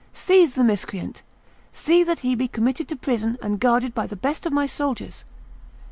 seize the miscreant! see that he be committed to prison and guarded by the best of my soldiers!